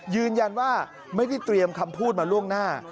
ยืนยันว่าไม่ได้เตรียมคำพูดมาล่วงหน้า